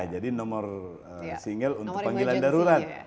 jadi nomor single untuk panggilan darurat